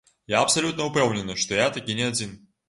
Я абсалютна ўпэўнены, што я такі не адзін.